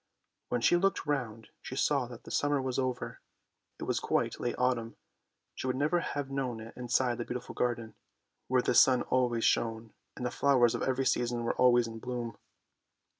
When she looked round she saw that the summer was over, it was quite late autumn. She would never have known it inside the beautiful garden, where the sun always shone and the flowers of every season were always in bloom.